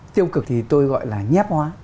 tiêu cực thì tôi gọi là nhép hóa